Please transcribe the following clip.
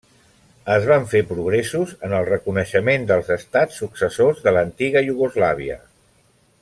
Es van fer progressos en el reconeixement dels estats successors de l'antiga Iugoslàvia.